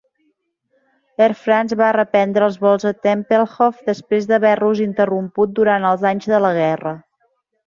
Air France va reprendre els vols a Tempelhof després d'haver-los interromput durant els anys de la guerra.